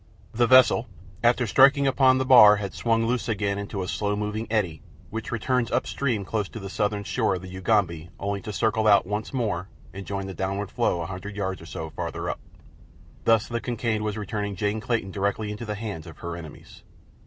The vessel after striking upon the bar had swung loose again into a slow moving eddy, which returns up stream close to the southern shore of the Ugambi only to circle out once more and join the downward flow a hundred yards or so farther up. Thus the Kincaid was returning Jane Clayton directly into the hands of her enemies.